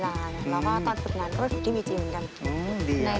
แล้วตอนสุดนั้นก็ได้ผู้ดูวีจีนเหมือนกัน